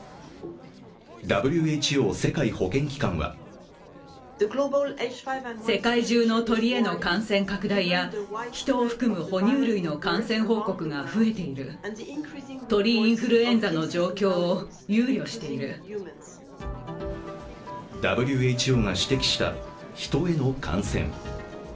ＷＨＯ＝世界保健機関はＷＨＯが指摘した、ヒトへの感染。